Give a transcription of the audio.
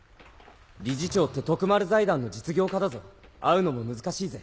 理事長って徳丸財団の実業家だぞ会うのも難しいぜ。